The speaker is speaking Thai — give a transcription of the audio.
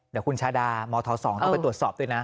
เดี๋ยวคุณชาดามธ๒ต้องไปตรวจสอบด้วยนะ